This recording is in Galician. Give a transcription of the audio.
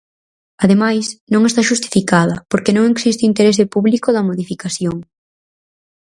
Ademais, non está xustificada, porque non existe o interese público da modificación.